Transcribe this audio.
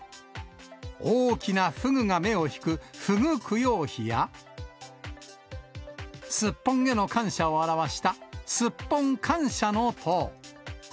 大きなふぐが目を引くふぐ供養碑や、すっぽんへの感謝を表したスッポン感謝之塔。